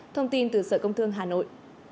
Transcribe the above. thông tin từ sở công thương hà nội